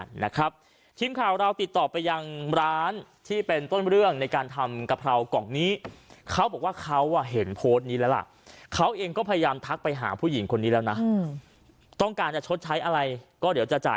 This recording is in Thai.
ในเสียงก็คือเป็นเจ้าของร้านที่ทำอาหารก็เลยมีการโต้เถียงกันโอ้โหเผ็ดร้อนฉาทีเดียวครับนะฮะ